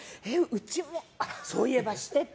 うちもそういえばしてた！